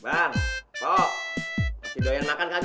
bang kok masih doyan makan kan